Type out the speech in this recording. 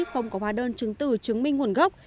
không có hóa đơn chứng từ chứng minh nguồn gốc